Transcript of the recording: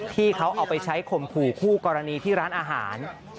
ที่เขาเอาไปใช้ข่มขู่คู่กรณีที่ร้านอาหาร